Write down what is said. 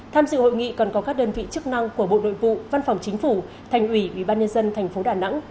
tham dự hội nghị còn có các đơn vị chức năng của bộ nội vụ văn phòng chính phủ thành ủy ubnd tp đà nẵng